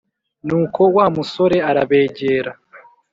Nuko wa musore arabegera,